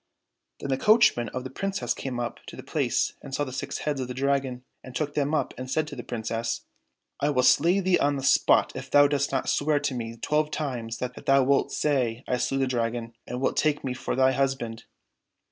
Then the coachman of the Princess came up to the place and saw the six heads of the Dragon, and took them up and said to the Princess, " I will slay thee on the spot if thou dost not swear to me twelve times that thou wilt say I slew the Dragon, and wilt take me for thy husband